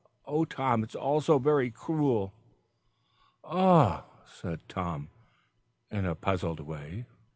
Oh, Tom, it's all so very cruel." "Eh?" said Tom, in a puzzled way.